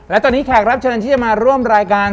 และตอนนี้แขกรับเชิญที่จะมาร่วมรายการ